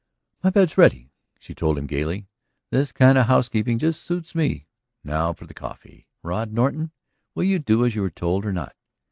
"My bed's ready," she told him gayly. "This kind of housekeeping just suits me! Now for the coffee. ... Rod Norton, will you do as you are told or not?